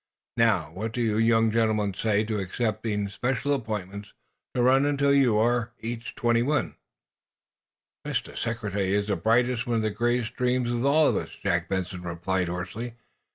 Now, what do you young gentlemen say to accepting special appointments to run until you are each twenty one?" "Mr. Secretary, it's the brightest, the one great dream with us all," Jack Benson replied, hoarsely.